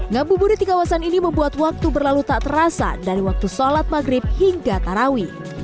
ngabuburit di kawasan ini membuat waktu berlalu tak terasa dari waktu sholat maghrib hingga tarawih